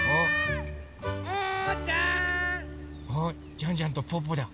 ジャンジャンとぽぅぽだ。